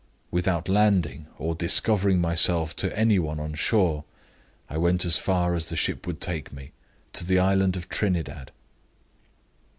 Without landing, or discovering myself to any one on shore, I went on as far as the ship would take me to the island of Trinidad.